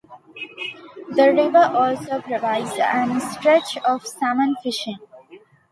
The river also provides an stretch of salmon fishing.